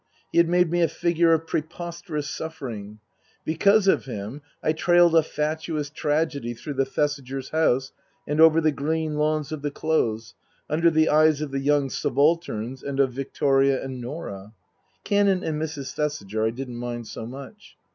He had made me a figure of preposterous suffering. Because of him I trailed a fatuous tragedy through the Thesigers' house and over the green lawns of the Close, under the eyes of the young subalterns and of Victoria and Norah. (Canon and Mrs. Thesiger I didn't mind so much.)